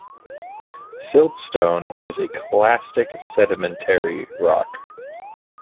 Siltstone is a clastic sedimentary rock.